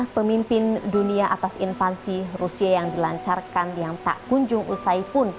pemimpin dunia atas invasi rusia yang dilancarkan yang tak kunjung usai pun